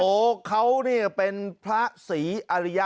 โอ๋เขาเป็นพระสีอาริยะ